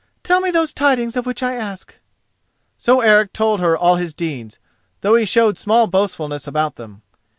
Tell me those tidings of which I ask." So Eric told her all his deeds, though he showed small boastfulness about them.